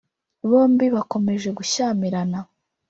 Bombi bakomeje gushyamirana